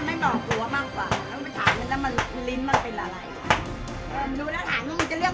ไม่อยากล้างแคมก็ดนี่ดูมันมันจะจะ